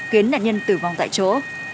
khiến nạn nhân tử vong tại chỗ